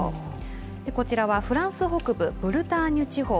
こちらはフランス北部ブルターニュ地方。